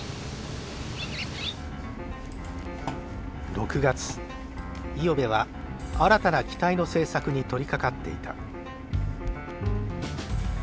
６月五百部は新たな機体の製作に取りかかっていた。